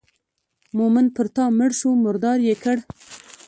مومن پر تا مړ شو مردار یې کړ.